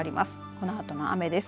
このあとも雨です。